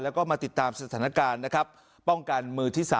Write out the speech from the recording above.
แล้วก็มาติดตามสถานการณ์นะครับป้องกันมือที่๓